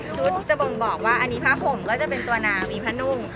จะบ่งบอกว่าอันนี้ผ้าห่มก็จะเป็นตัวนามีผ้านุ่ม